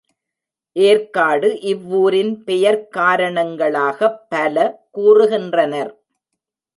ஏர்க்காடு இவ்வூரின் பெயர்க் காரணங்களாகப் பல கூறுகின்றனர்.